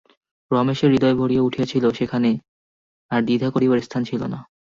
রমেশের হৃদয় ভরিয়া উঠিয়াছিল–সেখানে আর দ্বিধা করিবার স্থান ছিল না।